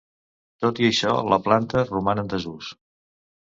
Tot i això, la planta roman en desús.